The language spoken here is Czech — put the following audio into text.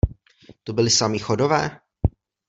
To byli samí Chodové?